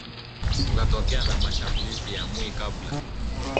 kukatokea na mashambulizi ya mwi kabla